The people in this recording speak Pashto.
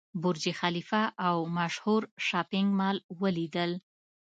برج خلیفه او مشهور شاپینګ مال ولیدل.